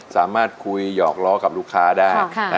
สามารถคุยหยอกล้อกับลูกค้าได้